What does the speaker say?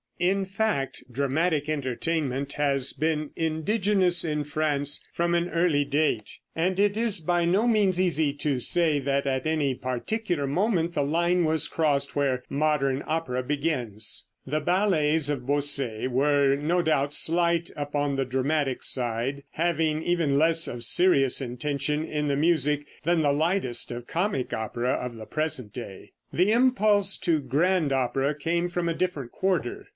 In fact, dramatic entertainment has been indigenous in France from an early date, and it is by no means easy to say that at any particular moment the line was crossed where modern opera begins. The ballets of Boesset were, no doubt, slight upon the dramatic side, having even less of serious intention in the music than the lightest of comic opera of the present day. The impulse to grand opera came from a different quarter.